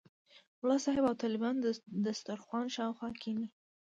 ملا صاحب او طالبان د دسترخوان شاوخوا کېني.